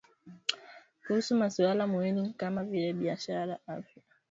kuhusu masuala muhimu kama vile biashara afya